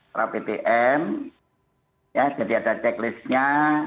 setelah ptm jadi ada checklistnya